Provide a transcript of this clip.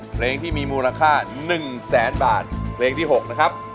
เพลงที่มีมูลค่า๑แสนบาทเพลงที่๖นะครับ